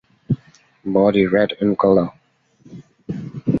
Body red in color.